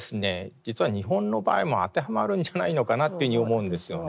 実は日本の場合も当てはまるんじゃないのかなというふうに思うんですよね。